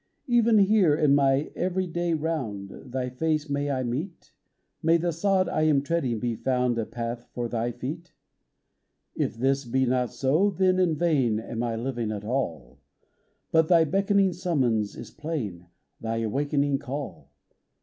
Even here, in my every day round, Thy Face may I meet ? May the sod I am treading be found A path for Thy feet ? If this be not so, then in vain Am I living at all : But Thy beckoning summons is plain, Thy awakening call.